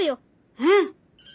うん！